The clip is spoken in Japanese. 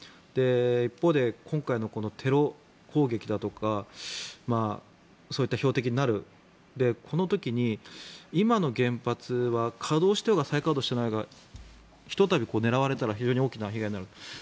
一方で今回のこのテロ攻撃だとかそういった標的になるこの時に今の原発は稼働してようが再稼働してようがひとたび狙われたら非常に大きな被害になる。